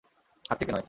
হাত থেকে নয়।